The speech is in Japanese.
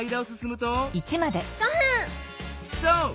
そう！